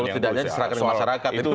kalau tidak diserahkan ke masyarakat